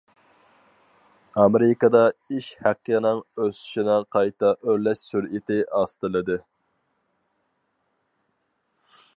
ئامېرىكىدا ئىش ھەققىنىڭ ئۆسۈشىنىڭ قايتا ئۆرلەش سۈرئىتى ئاستىلىدى.